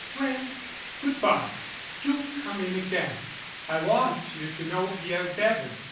Well, good bye. Do come in again. I want you to know Pierre better.